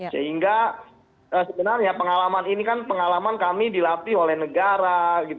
sehingga sebenarnya pengalaman ini kan pengalaman kami dilatih oleh negara